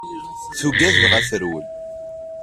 Tugad dɣa terwel.